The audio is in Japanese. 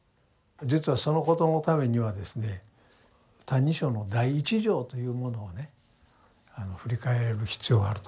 実はそのことのためにはですね「歎異抄」の第一条というものをね振り返る必要があると思うんですね。